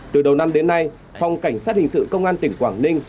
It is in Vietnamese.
từ đầu năm đến nay phòng cảnh sát hình sự công an tỉnh quảng ninh